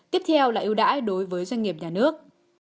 tiếp theo là ưu đãi đối với doanh nghiệp nhà nước